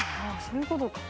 そういうことか。